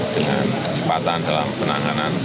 dengan cepatan dalam penanganan